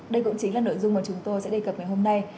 đây cũng chính là nội dung mà chúng tôi sẽ đề cập ngày hôm nay